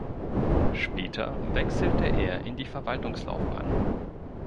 Später wechselte er in die Verwaltungslaufbahn.